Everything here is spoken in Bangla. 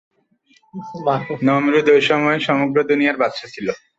নমরূদ ঐ সময় সমগ্র দুনিয়ার বাদশাহ ছিল।